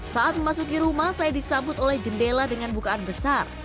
saat memasuki rumah saya disambut oleh jendela dengan bukaan besar